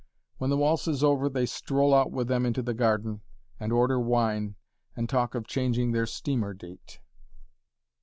When the waltz is over they stroll out with them into the garden, and order wine, and talk of changing their steamer date.